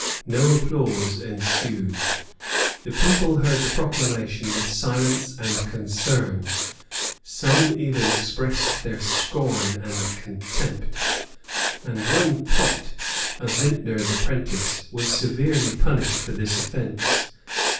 No applause ensued: the people heard the proclamation with silence and concern: some even expressed their scorn and contempt; and one Pot, a vintner's apprentice, was severely punished for this offence.